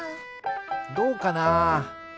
どうかな？